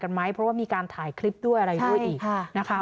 ไหมเพราะว่ามีการถ่ายคลิปด้วยอะไรด้วยอีกนะคะ